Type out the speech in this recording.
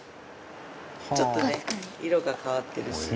ちょっとね色が変わってるし。